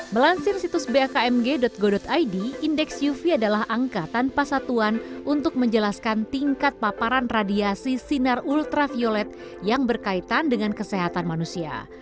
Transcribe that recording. melansir situs bakmg go id indeks uv adalah angka tanpa satuan untuk menjelaskan tingkat paparan radiasi sinar ultraviolet yang berkaitan dengan kesehatan manusia